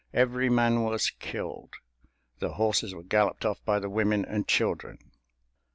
Every man was killed—the horses were galloped off by the women and children.